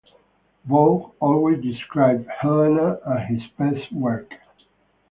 Waugh always described "Helena" as his best work.